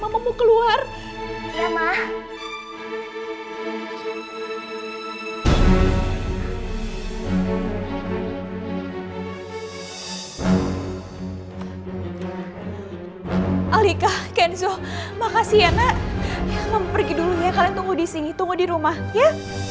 mama pergi dulu ya kalian tunggu disini tunggu di rumah ya